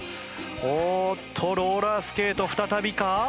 おーっとローラースケート再びか！